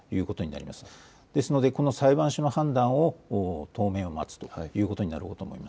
ですのでこの裁判所の判断を当面、待つということになります。